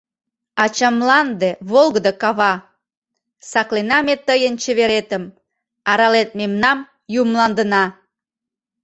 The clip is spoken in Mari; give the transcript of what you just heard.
Ачамланде — волгыдо кава. Саклена ме тыйын чеверетым, Аралет мемнам, ю мландына.